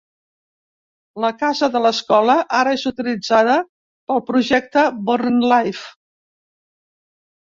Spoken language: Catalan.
La casa de l'escola ara és utilitzada pel "projecte Burrenlife".